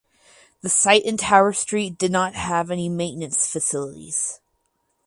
The site in Tower Street did not have any maintenance facilities.